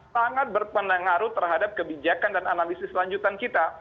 sangat berpengaruh terhadap kebijakan dan analisis lanjutan kita